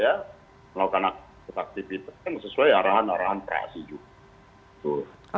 ya melakukan aktivitas sesuai arahan arahan praksi juga